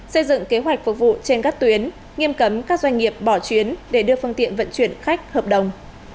xây dựng kế hoạch phục vụ trên các tuyến nghiêm cấm các doanh nghiệp bỏ chuyến để đưa phương tiện vận chuyển khách hợp đồng